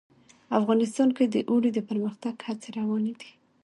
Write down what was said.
افغانستان کې د اوړي د پرمختګ هڅې روانې دي.